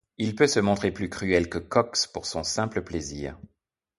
Il peut se montrer plus cruel que Cox, pour son simple plaisir.